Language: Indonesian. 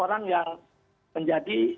orang yang menjadi